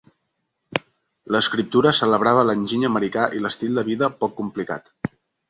L'escriptura celebrava l'enginy americà i l'estil de vida poc complicat.